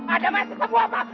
ada masih semua pak